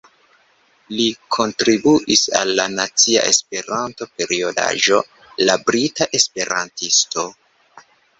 Li kontribuis al la nacia Esperanto-periodaĵo La Brita Esperantisto.